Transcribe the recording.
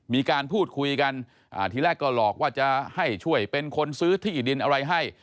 มีการพูดคุยกันทีแรกก็หลอกว่าจะให้ช่วยเป็นคนซื้อที่ดินอะไรให้